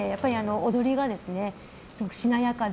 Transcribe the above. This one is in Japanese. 踊りがしなやかで。